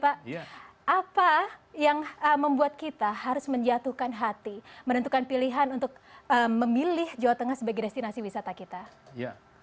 apa yang membuat kita harus menjatuhkan hati menentukan pilihan untuk memilih jawa tengah sebagai destinasi wisata kita